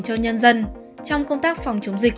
cho nhân dân trong công tác phòng chống dịch